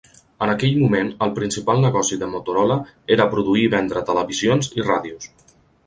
En aquell moment, el principal negoci de Motorola era produir i vendre televisions i ràdios.